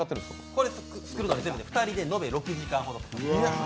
これ作るのに全部で２人で延べ６時間ほど。